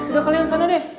udah kalian kesana deh